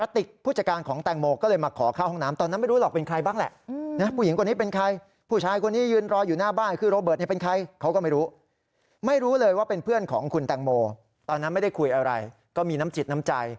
ตอนนั้นไม่ได้คุยอะไรก็มีน้ำจิตน้ำใจ